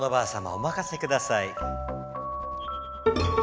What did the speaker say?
おまかせください。